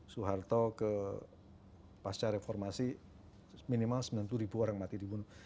soeharto ke pasca reformasi minimal sembilan puluh ribu orang mati dibunuh